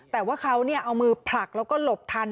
แต่ว่าเขาเอามือผลักแล้วก็หลบทัน